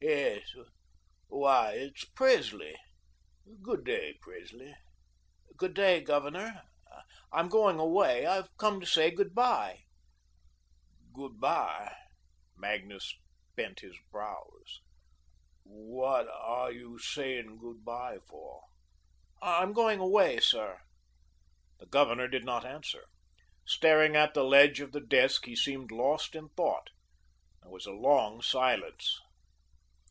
"Going away...yes, why it's Presley. Good day, Presley." "Good day, Governor. I'm going away. I've come to say good bye." "Good bye?" Magnus bent his brows, "what are you saying good bye for?" "I'm going away, sir." The Governor did not answer. Staring at the ledge of the desk, he seemed lost in thought. There was a long silence.